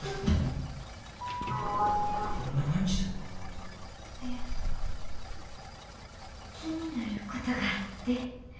いや気になることがあって。